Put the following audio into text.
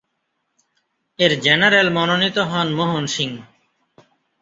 এর জেনারেল মনোনীত হন মোহন সিং।